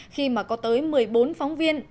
khi mà có tới một mươi bốn phóng viên